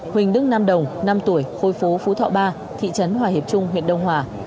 huỳnh đức nam đồng năm tuổi khối phố phú thọ ba thị trấn hòa hiệp trung huyện đông hòa